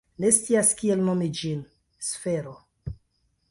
Ne scias kiel nomi ĝin. Sfero.